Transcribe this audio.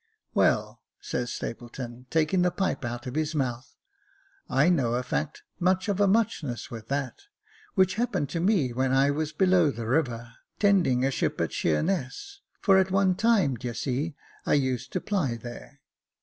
" Well," says Stapleton, taking the pipe out of his mouth, I know a fact, much of a muchness with that, which happened to me when I was below the river, tend ing a ship at Sheerness — for at one time, d'ye see, I used to ply there.